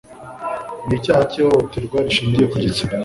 ni icyaha cy' ihohoterwa rishingiye ku gitsina